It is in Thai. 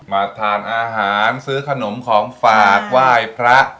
มาทานอาหารซื้อขนมของฝากไหว้พระ